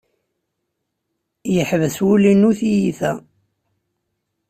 Yeḥbes wul-inu tiyita.